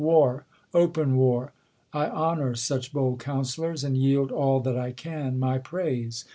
War, open war! I honor such bold counsellors, and yield All that I can, my praise.